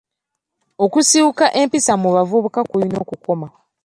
Okusiiwuuka empisa mu bavubuka kulina okukoma.